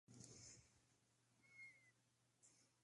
Es uno de los sitios más importantes de Utcubamba.